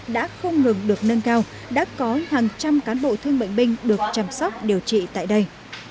đã không ngừng được nâng cao đã có hàng trăm cán bộ thương bệnh binh được chăm sóc điều trị tại đây